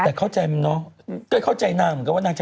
แต่เข้าใจเมนู